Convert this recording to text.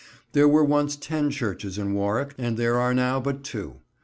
There were once ten churches in Warwick and there are now but two.